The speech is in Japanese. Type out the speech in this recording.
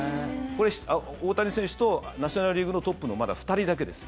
大谷選手とナショナル・リーグのトップのまだ２人だけです。